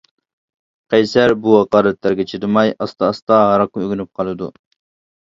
قەيسەر بۇ ھاقارەتلەرگە چىدىماي ئاستا-ئاستا ھاراققا ئۆگىنىپ قالىدۇ.